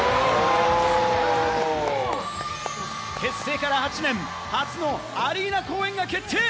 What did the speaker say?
結成から８年、初のアリーナ公演が決定！